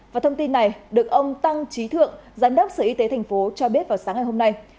và thông tin này được ông tăng trí thượng giám đốc sở y tế tp cho biết vào sáng ngày hôm nay